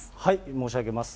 申し上げます。